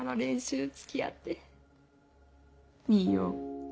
「いいよ」。